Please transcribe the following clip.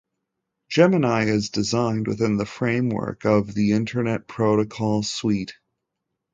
Gemini is designed within the framework of the Internet protocol suite.